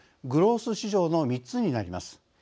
グロース市場の３つになります。